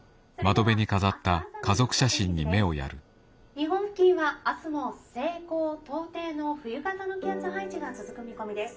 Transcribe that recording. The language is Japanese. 日本付近は明日も西高東低の冬型の気圧配置が続く見込みです。